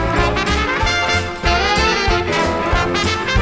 สวัสดีครับ